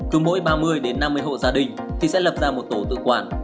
cứ mỗi ba mươi đến năm mươi hộ gia đình thì sẽ lập ra một tổ tự quản